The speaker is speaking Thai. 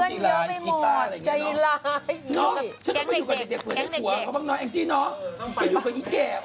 ฉันต้องมาอยู่กับพวกอีแก่